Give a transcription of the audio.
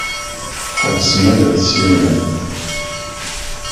Tḥebsem ad tessiwlem.